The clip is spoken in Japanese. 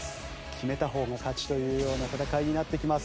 決めた方が勝ちというような戦いになってきます。